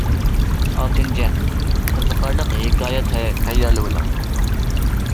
ئالتىنچى، قىزىقارلىق ھېكايە تەييارلىۋېلىڭ.